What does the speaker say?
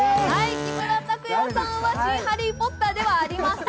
木村拓哉さんは新ハリー・ポッターではありません。